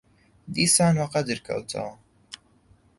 دیسان وەقەدر کەوتەوە